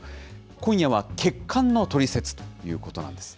今夜は血管のトリセツということなんです。